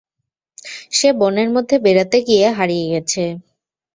সে বনের মধ্যে বেড়াতে গিয়ে হারিয়ে গেছে।